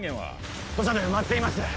土砂で埋まっています